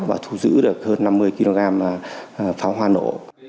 và thu giữ được hơn năm mươi kg pháo hoa nổ